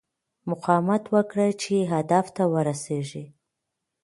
مقاومت وکړه چې هدف ته ورسېږې.